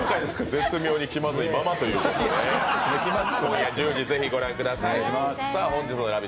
絶妙に気まずいままということで今夜１０時、ぜひご覧ください。